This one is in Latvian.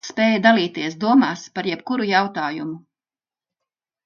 Haralds spēja dalīties domās par jebkuru jautājumu.